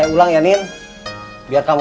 oh untukplay tadi